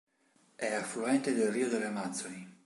È affluente del Rio delle Amazzoni.